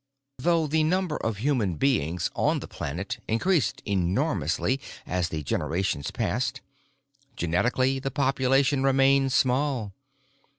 Though the number of human beings on the planet increased enormously as the generations passed, genetically the population remained small.